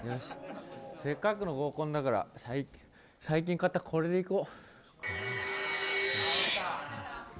せっかくの合コンだから最近買ったこれでいこう。